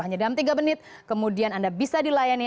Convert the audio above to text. hanya dalam tiga menit kemudian anda bisa dilayani